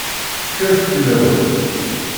Kkret fell-awen!